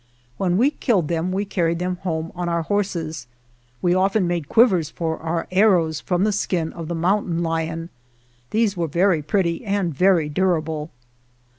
When we killed them we carried them home on our horses. We often made quivers for our arrows from the skin of the mountain lion. These were very pretty and very durable.